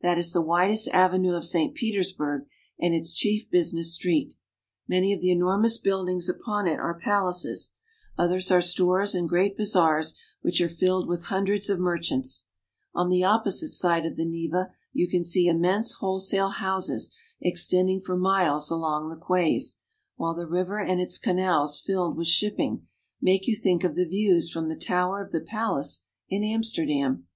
That is the widest avenue of St. Petersburg, and its chief business street. Many of the enormous buildings upon it are pal aces ; others are stores and great bazaars, which are filled The Winter Palace. with hundreds of merchants. On the opposite side of the Neva you can see immense wholesale houses extending for miles along the quays, while the river and its canals, filled with shipping, make you think of the views from the tower of the palace in Amsterdam.